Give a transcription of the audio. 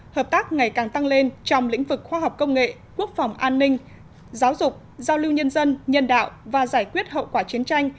hợp tác ngày càng tăng lên trong lĩnh vực khoa học công nghệ quốc phòng an ninh giáo dục giao lưu nhân dân nhân đạo và giải quyết hậu quả chiến tranh